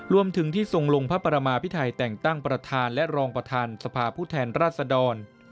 รวมถึงที่ทรงลงพระประมาพิไทยแต่งตั้งประธานและรองประธานสภาผู้แทนราชดร